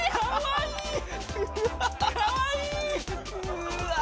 うわ！